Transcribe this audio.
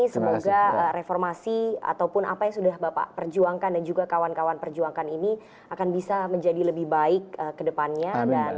semoga reformasi ataupun apa yang sudah bapak perjuangkan dan juga kawan kawan perjuangkan ini akan bisa menjadi lebih baik ke depannya